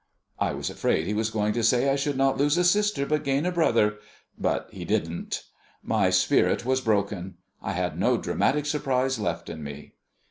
I was afraid he was going to say I should not lose a sister but gain a brother; but he didn't. My spirit was broken; I had no dramatic surprise left in me.